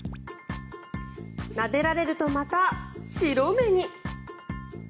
なでられると、また白目に。